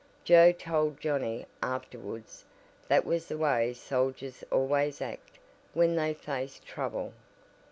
Joe told Johnnie afterwards that was the way soldiers always act when they face trouble.